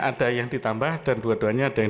ada yang ditambah dan dua duanya ada yang